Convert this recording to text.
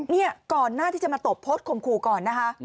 นี่ก่อนหน้าที่จะมาตบโพสต์ข่มขู่ก่อนนะคะ